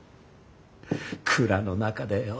蔵の中でよ